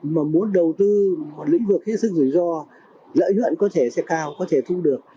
mà muốn đầu tư vào lĩnh vực hết sức rủi ro lợi nhuận có thể sẽ cao có thể thu được